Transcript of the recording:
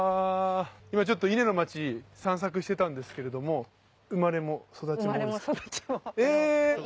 今ちょっと伊根の町散策してたんですけれども生まれも育ちも？